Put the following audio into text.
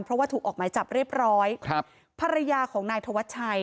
เพราะว่าถูกออกหมายจับเรียบร้อยครับภรรยาของนายธวัชชัย